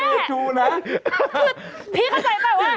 เพื่อนเยอะ